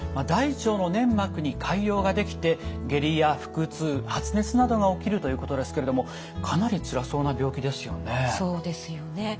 大腸の粘膜に潰瘍ができて下痢や腹痛発熱などが起きるということですけれどもかなりつらそうな病気ですよね。